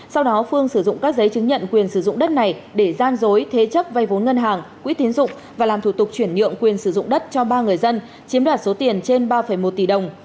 sau đó phương sử dụng các giấy chứng nhận quyền sử dụng đất này để gian dối thế chấp vay vốn ngân hàng quỹ tiến dụng và làm thủ tục chuyển nhượng quyền sử dụng đất cho ba người dân chiếm đoạt số tiền trên ba một tỷ đồng